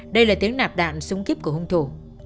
đây là tiếng nạp đạn súng kíp của hung thủ